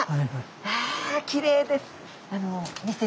うわきれいです。